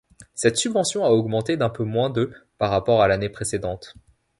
Cette subvention a augmenté d’un peu moins de par rapport à l’année précédente.